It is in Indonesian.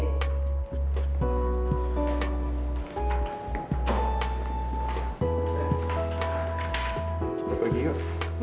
kita pergi yuk